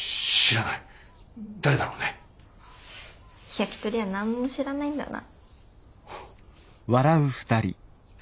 ヤキトリは何も知らないんだな。